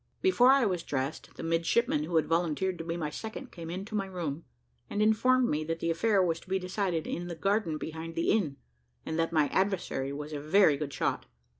Before I was dressed, the midshipman who had volunteered to be my second came into my room, and informed me that the affair was to be decided in the garden behind the inn, and that my adversary was a very good shot.